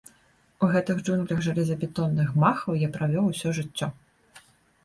У гэтых джунглях жалезабетонных гмахаў я правёў усё жыццё.